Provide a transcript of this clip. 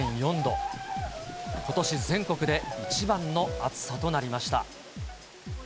ことし全国で一番の暑さとなりました。